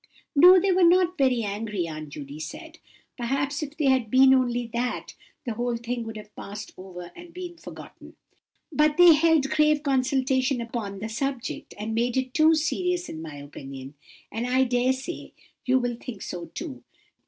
"No, they were not very angry," Aunt Judy said; "perhaps if they had been only that, the whole thing would have passed over and been forgotten. "But they held grave consultation upon the subject, and made it too serious, in my opinion, and I dare say you will think so too.